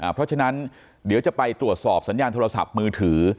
เพราะฉะนั้นเดี๋ยวจะไปตรวจสอบสัญญาณโทรศัพท์มือถือ